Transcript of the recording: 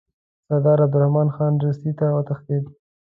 سردار عبدالرحمن خان روسیې ته وتښتېد.